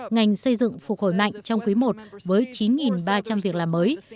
ngành xây dựng phục hồi mạnh trong quý i với chín ba trăm linh việc làm mới